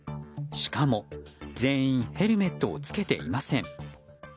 しかも、全員ヘルメットを着けていません。